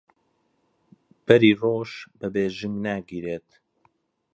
بەری ڕۆژ بە بێژنگ ناگیرێت